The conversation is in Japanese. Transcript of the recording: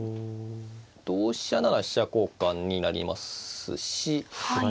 同飛車なら飛車交換になりますしま